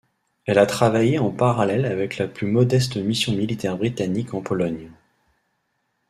Elle a travaillé en parallèle avec la plus modeste Mission militaire britannique en Pologne.